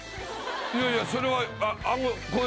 いやいやそれはアゴ。